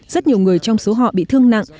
rất nhiều người trong số họ bị thương nặng